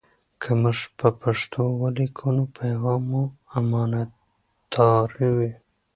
که موږ په پښتو ولیکو، نو پیغام مو امانتاري وي.